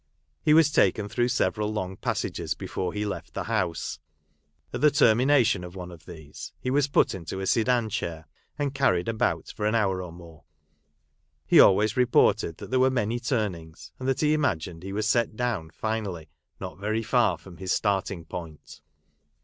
He was taken through several long passages before he left the house ; at the termination of one of these he was put into a sedan chair, and carried about for an hour or more ; he always reported that there were many turnings, and that he imagined he was set down finally not very far from his starting point.